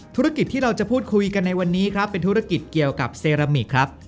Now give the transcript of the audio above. ธุรกิจที่เราจะพูดคุยกันในวันนี้ครับเป็นธุรกิจเกี่ยวกับเซรามิกครับ